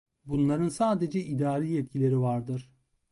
Bunların sadece idari yetkileri vardır.